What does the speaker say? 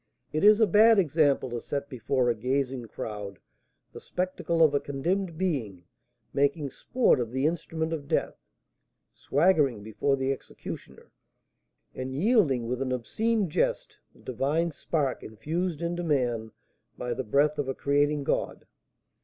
It is a bad example to set before a gazing crowd the spectacle of a condemned being making sport of the instrument of death, swaggering before the executioner, and yielding with an obscene jest the divine spark infused into man by the breath of a creating God.